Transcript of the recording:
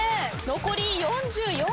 残り４４秒。